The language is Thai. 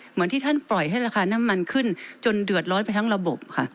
เหมือนที่ท่านปล่อยให้ราคาน้ำมันขึ้นจนเดือดร้อนไปทั้งระบบค่ะ